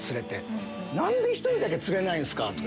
「何で１人だけ釣れないんすか？」